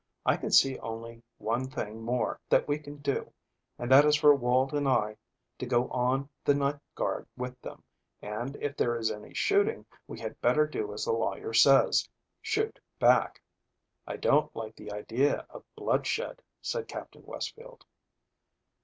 I can see only one thing more that we can do and that is for Walt and I to go on the night guard with them, and if there is any shooting we had better do as the lawyer says shoot back." "I don't like the idea of bloodshed," said Captain Westfield.